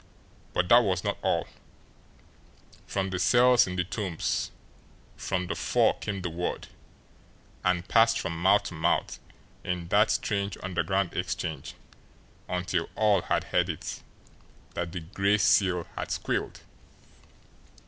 But that was not all from the cells in the Tombs, from the four came the word, and passed from mouth to mouth in that strange underground exchange until all had heard it, that the Gray Seal had "SQUEALED."